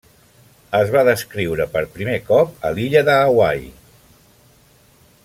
Es va descriure per primer cop a l'illa de Hawaii.